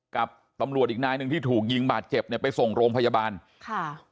กับตำรวจอีกนายหนึ่งที่ถูกยิงบาดเจ็บเนี่ยไปส่งโรงพยาบาลค่ะ